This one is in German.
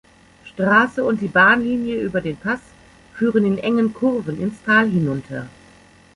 Straße und die Bahnlinie über den Pass führen in engen Kurven ins Tal hinunter.